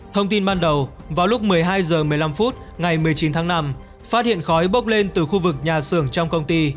thông tin ban đầu vào lúc một mươi hai h một mươi năm phút ngày một mươi chín tháng năm phát hiện khói bốc lên từ khu vực nhà xưởng trong công ty